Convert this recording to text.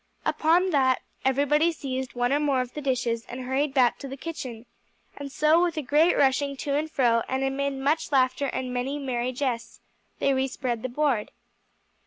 Upon that everybody seized one or more of the dishes and hurried back to the kitchen; and so with a great rushing to and fro and amid much laughter and many merry jests they respread the board.